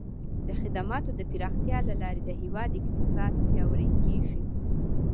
د خدماتو د پراختیا له لارې د هیواد اقتصاد پیاوړی کیږي.